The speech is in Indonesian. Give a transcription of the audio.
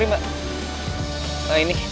di mana sih